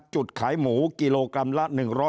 จุดขายหมูกิโลกรัมละ๑๐๐